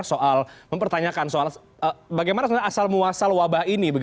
soal mempertanyakan soal bagaimana asal muasal wabah ini